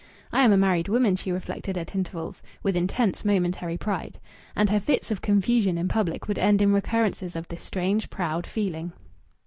"I am a married woman," she reflected at intervals, with intense momentary pride. And her fits of confusion in public would end in recurrences of this strange, proud feeling.